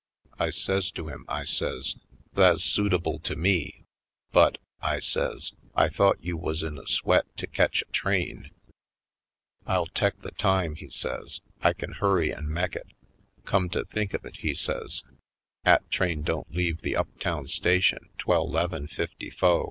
I says to him, I says: "Tha's suitable to me, but," I says, "I thought you wuz in a sweat to ketch a train?" Harlem Heights 85 "I'll tek the time," he says. "I kin hurry an' mek it. Come to think of it," he says, " 'at train don't leave the up town station 'twell 'leven fifty fo'.